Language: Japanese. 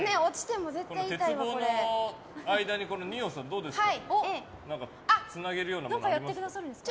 鉄棒の間に二葉さん、どうですか？